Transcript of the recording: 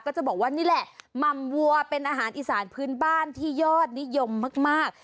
ก็จะบอกว่านี่แหละหม่ำวัวเป็นอาหารอีสานพื้นบ้านที่ยอดนิยมมาก